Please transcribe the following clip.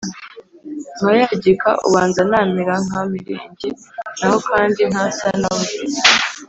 nkayagika ubanza namera nka Mirenge; n’aho kandi ntasa na we,